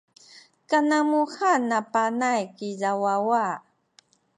kanamuhen na Panay kiza wawa.